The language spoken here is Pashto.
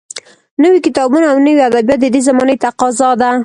نوي کتابونه او نوي ادبیات د دې زمانې تقاضا ده